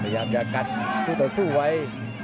พยายามจะกันคู่ต่อสู้ไว้